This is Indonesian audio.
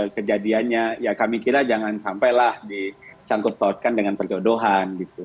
kejadiannya ya kami kira jangan sampai lah dicangkut cautkan dengan perjodohan gitu